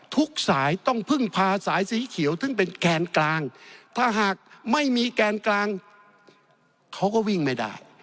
ทุกสายต้องพึ่งพาสายสีเขียวซึ่งเป็นแกนกลางถ้าหากไม่มีแกนกลางเขาก็วิ่งไม่ได้